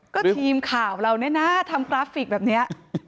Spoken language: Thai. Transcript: ก็ทีมข่าวเราเนี่ยนะทำกราฟิกแบบนี้